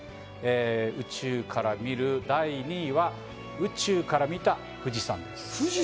宇宙から見る第２位は宇宙から見た富士山です。